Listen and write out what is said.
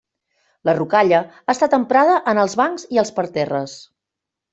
La rocalla ha estat emprada en els bancs i els parterres.